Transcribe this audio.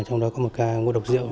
trong đó có một ca ngô độc rượu